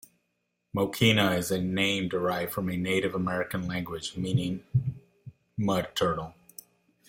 Mokena is a name derived from a Native American language meaning "mud turtle".